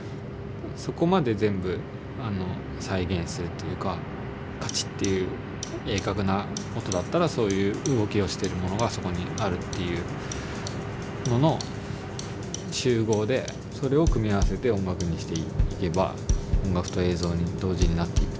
じゃなくてカチッていう鋭角な音だったらそういう動きをしてるものがそこにあるっていうのの集合でそれを組み合わせて音楽にしていけば音楽と映像に同時になっていく。